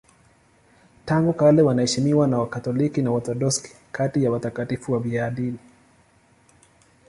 Tangu kale wanaheshimiwa na Wakatoliki na Waorthodoksi kati ya watakatifu wafiadini.